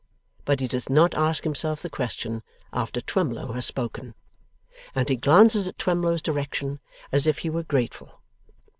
But he does not ask himself the question after Twemlow has spoken, and he glances in Twemlow's direction as if he were grateful.